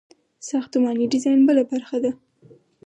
ساختماني ډیزاین بله برخه ده.